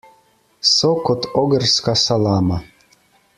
So kot ogrska salama.